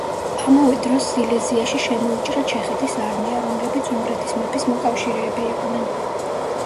ამავე დროს სილეზიაში შემოიჭრა ჩეხეთის არმია, რომლებიც უნგრეთის მეფის მოკავშირეები იყვნენ.